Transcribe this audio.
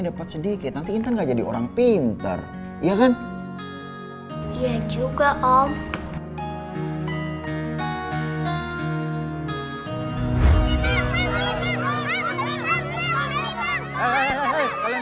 dapat sedikit nanti nggak jadi orang pintar iya kan iya juga om